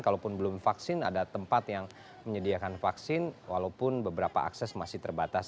kalaupun belum vaksin ada tempat yang menyediakan vaksin walaupun beberapa akses masih terbatas